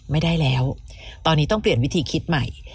ไม่ได้แล้วตอนนี้ต้องเปลี่ยนวิธีคิดใหม่